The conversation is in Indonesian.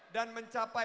dan mencapai badai